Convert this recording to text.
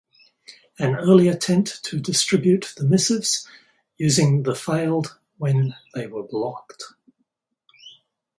An early attempt to distribute the missives using the failed when they were blocked.